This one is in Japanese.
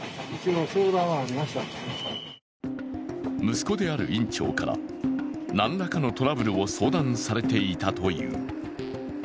息子である院長から何らかのトラブルを相談されていたという。